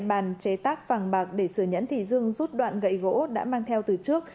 bàn chế tác vàng bạc để sửa nhẫn thì dương rút đoạn gậy gỗ đã mang theo từ trước